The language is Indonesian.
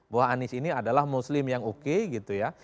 bahwa anies ini adalah muslim yang oke gitu ya